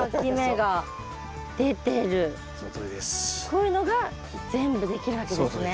こういうのが全部できるわけですね。